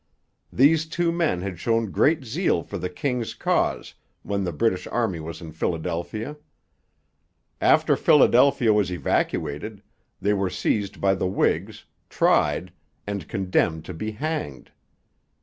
These two men had shown great zeal for the king's cause when the British Army was in Philadelphia. After Philadelphia was evacuated, they were seized by the Whigs, tried, and condemned to be hanged.